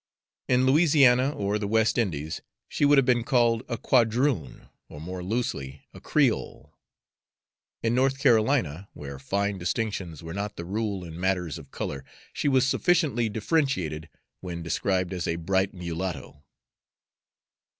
In Louisiana or the West Indies she would have been called a quadroon, or more loosely, a creole; in North Carolina, where fine distinctions were not the rule in matters of color, she was sufficiently differentiated when described as a bright mulatto.